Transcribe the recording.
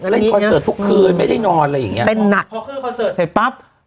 เล่นคอนเสิร์ตทุกคืนไม่ได้นอนอะไรอย่างนี้พอเข้าคอนเสิร์ตเต้นหนัก